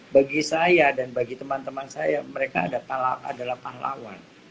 bagi saya dan bagi teman teman saya mereka adalah pahlawan